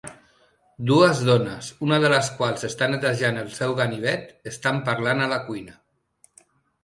Dues dones, una de les quals està netejant el seu ganivet, estan parlant a la cuina.